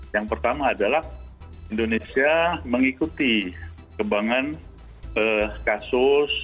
yang pertama adalah indonesia mengikuti kembangan kasus